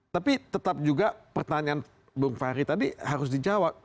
tapi tetap juga pertanyaan bung fahri tadi harus dijawab